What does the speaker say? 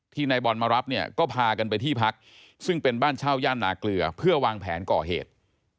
นายบอลมารับเนี่ยก็พากันไปที่พักซึ่งเป็นบ้านเช่าย่านนาเกลือเพื่อวางแผนก่อเหตุ